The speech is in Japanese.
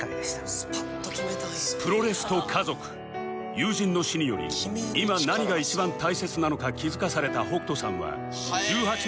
友人の死により今何が一番大切なのか気づかされた北斗さんは